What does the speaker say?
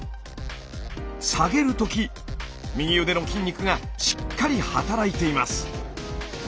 下げるとき右腕の筋肉がしっかりはたらいています。